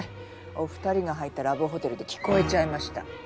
お２人が入ったラブホテルで聞こえちゃいました。